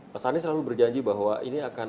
pasani selalu berjanji bahwa ini akan